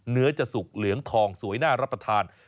เนื้อจะสุกเหลืองทองสวยน่ารับประทาน